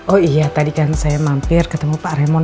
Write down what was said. oh iya tadi kan saya mampir ketemu pak remon